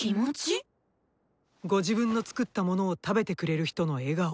ご自分の作ったものを食べてくれる人の笑顔